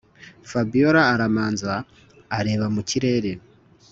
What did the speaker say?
fabiora aramanza areba mukirere